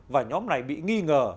và nhóm này bị nghi ngờ